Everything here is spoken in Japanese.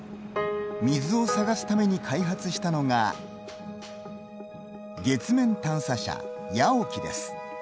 水を探すために開発したのが月面探査車ＹＡＯＫＩです。